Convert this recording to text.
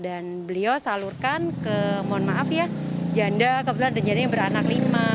dan beliau salurkan ke mohon maaf ya janda kebetulan dan jadinya beranak lima